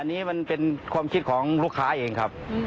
อันนี้มันเป็นความคิดของลูกค้าเองครับ